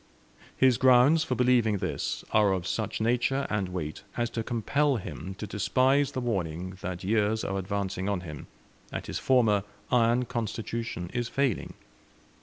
His grounds for believing this are of such nature and weight as to compel him to despise the warning that years are advancing on him, and his former iron constitution is failing.